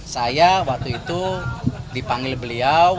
saya waktu itu dipanggil beliau